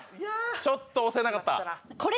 ちょっと押せなかった？